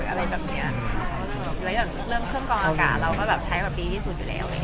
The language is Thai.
อะไรแบบเนี้ยแล้วอย่างเรื่องเครื่องกองอากาศเราก็แบบใช้แบบดีที่สุดอยู่แล้ว